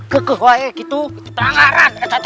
kekehuaya gitu pelanggaran